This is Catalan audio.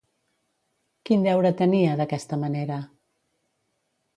Quin deure tenia, d'aquesta manera?